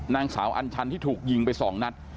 นางสาวอัญชันที่ถูกยิงไป๒นัด